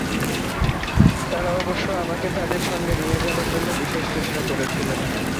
তাঁরা অবশ্য আমাকে তাঁদের সঙ্গে নিয়ে যাবার জন্য বিশেষ চেষ্টা করেছিলেন।